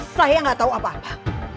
saya gak tau apa apa